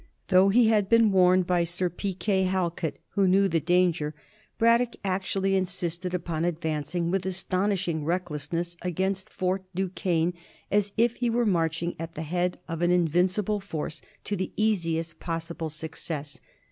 Though he had been warned by Sir P. K. Halkett, who knew the danger, Braddock actually insist ed upon advancing with astonishing recklessness against Fort Duquesne as if he were marching at the head of an invincible force to the easiest possible success.